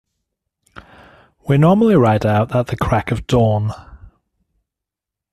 We normally ride out at the crack of dawn.